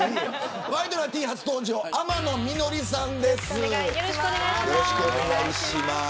ワイドナティーン、初登場天野穂さんです。